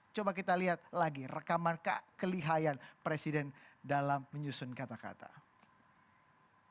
coba kita lihat lagi rekaman kekelihayan presiden dalam menyusun kata kata